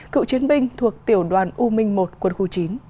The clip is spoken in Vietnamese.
cựu chiến binh thuộc tiểu đoàn u minh một quân khu chín